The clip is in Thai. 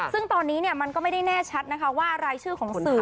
ซึ่งตอนนี้มันก็ไม่ได้แน่ชัดนะคะว่ารายชื่อของสื่อ